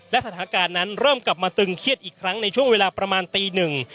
และสถานการณ์นั้นเริ่มกลับมาตึงเครียดอีกครั้งในช่วงเวลาประมาณตีหนึ่ง